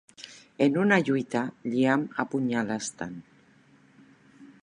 En una lluita, Liam apunyala Stan.